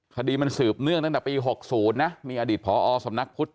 คดีมันสืบเนื่องตั้งแต่ปี๖๐นะมีอดีตผอสำนักพุทธ